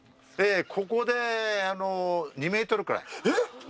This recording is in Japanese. ここで２メートルくらい。えっ！？